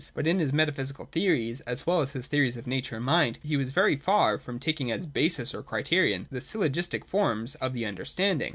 But in his metaphysical theories, as well as his theories of nature and mind, he was very far from taking as basis, or criterion, the syllogistic forms of the 'understanding.'